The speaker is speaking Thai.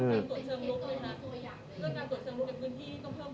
เรื่องการตรวจเชิงลุกแบบพื้นที่ต้องเข้าไป